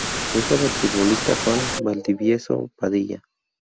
Hijo del futbolista Juan Valdivieso Padilla.